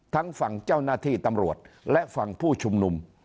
ทั้งฝั่งเจ้าหน้าที่ตำรวจและฝั่งผู้ชุมนุม